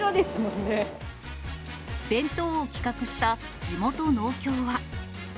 弁当を企画した地元農協は。